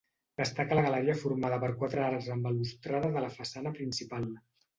Destaca la galeria formada per quatre arcs amb balustrada de la façana principal.